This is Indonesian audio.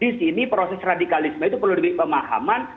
di sini proses radikalisme itu perlu diberi pemahaman